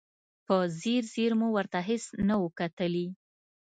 په ځیر ځیر مو ورته هېڅ نه و کتلي.